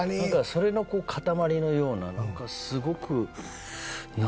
それの塊のようななんかすごく。